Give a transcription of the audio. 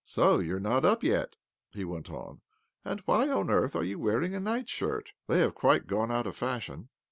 "So you are not yet up?" he went on. " And why on earth are you wearing a nightshirtl They have quite gone out of fashion."